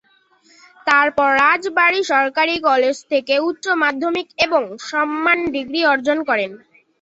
তারপর রাজবাড়ী সরকারি কলেজ থেকে উচ্চ মাধ্যমিক এবং সম্মান ডিগ্রি অর্জন করেন।